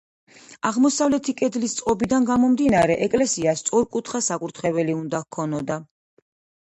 აღმოსავლეთი კედლის წყობიდან გამომდინარე, ეკლესიას სწორკუთხა საკურთხეველი უნდა ჰქონოდა.